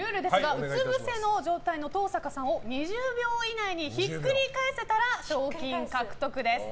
うつ伏せの状態の登坂さんを２０秒以内にひっくり返せたら賞金獲得です。